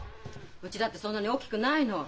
うちだってそんなに大きくないの。